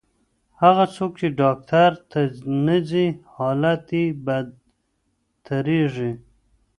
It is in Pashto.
هغه څوک چې ډاکټر ته نه ځي، حالت یې بدتریږي.